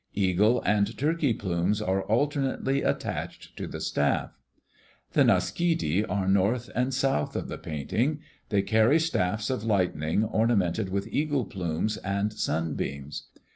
Eagle and turkey plumes are alternately attached to the staff. The Naaskiddi are north and south of the painting. They carry staffs of lightning ornamented with eagle plumes and sunbeams.